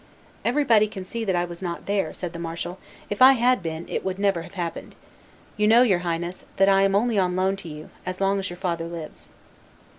"Everybody can see that I was not there," said the marshal; "if I had been, it would never have happened. You know, your highness, that I am only on loan to you, as long as your father lives."